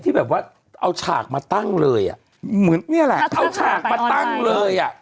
ที่แบบว่าเอาฉากมาตั้งเลยอ่ะเหมือนเนี่ยแหละเอาฉากมาตั้งเลยอ่ะ